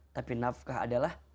tapi nafkah adalah